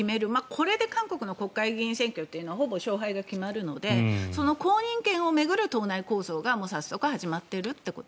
これで韓国の国会議員選挙はほぼ決まるのでその後任権を巡る党内抗争が始まっていると。